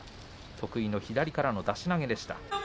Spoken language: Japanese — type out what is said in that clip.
得意の左からの出し投げでした。